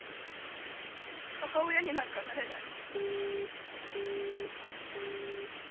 ☎母親になんかなれない！